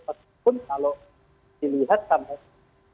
meskipun kalau dilihat sama akses menuju tawang